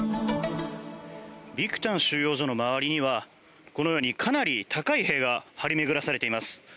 ビクタン収容所の周りにはこのように、かなり高い塀が張り巡らされています。